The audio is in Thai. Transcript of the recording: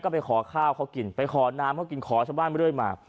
ไปขอข้าวเขากินไปขอน้ำเขากินขอชาวบ้านเรื่อยมา